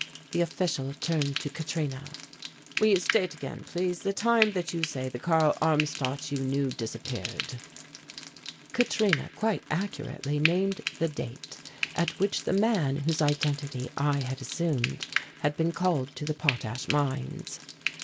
The official turned to Katrina. "Will you state again, please, the time that you say the Karl Armstadt you knew disappeared?" Katrina quite accurately named the date at which the man whose identity I had assumed had been called to the potash mines.